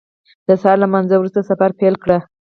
د سهار له لمانځه وروسته سفر پیل کړ.